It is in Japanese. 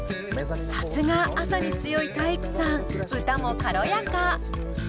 さすが朝に強い体育さん歌も軽やか。